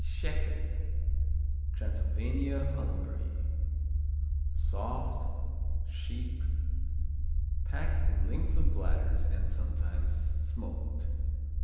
Szekely Transylvania, Hungary Soft; sheep; packed in links of bladders and sometimes smoked.